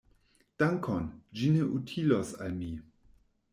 Dankon; ĝi ne utilos al mi.